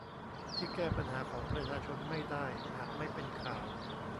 ที่แก้ปัญหาของประชาชนไม่ได้หากไม่เป็นข่าว